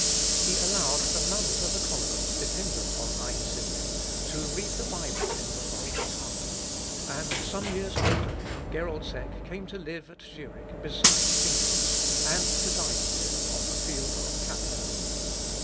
He allowed the nuns of a convent dependent on Einsidlen to read the Bible in the vulgar tongue; and, some years after, Geroldsek came to live at Zurich beside Zuinglius, and to die with him on the field of Cappel.